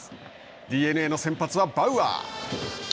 ＤｅＮＡの先発はバウアー。